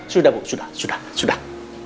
sudah bu sudah